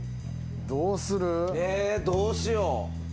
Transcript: えどうしよう。